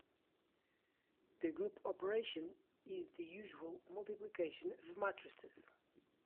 The group operation is the usual multiplication of matrices.